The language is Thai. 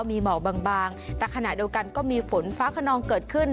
มีหมอกบางแต่ขณะเดียวกันก็มีฝนฟ้าขนองเกิดขึ้น